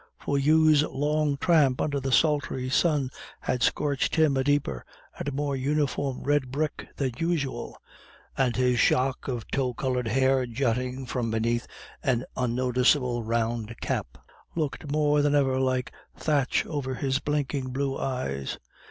For Hugh's long tramp under the sultry sun had scorched him a deeper and more uniform red brick than usual, and his shock of tow coloured hair jutting from beneath an unnoticeable round cap, looked more than ever like thatch over his blinking blue eyes.